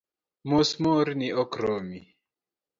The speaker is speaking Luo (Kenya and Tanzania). Mos moorni ok romi